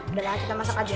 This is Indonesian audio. udah lah kita masak aja